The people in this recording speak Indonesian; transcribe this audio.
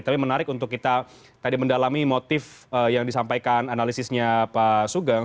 tapi menarik untuk kita tadi mendalami motif yang disampaikan analisisnya pak sugeng